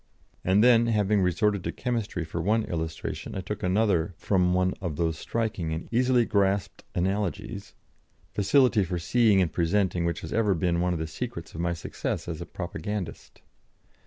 " And then, having resorted to chemistry for one illustration, I took another from one of those striking and easily grasped analogies, facility for seeing and presenting which has ever been one of the secrets of my success as a propagandist.